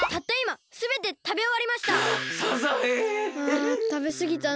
あたべすぎたな。